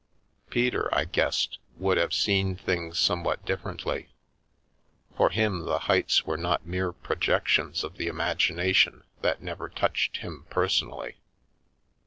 Peter, I guessed, would have seen things somewhat differently, for him the heights were not mere projections of the imagination that never touched him personally.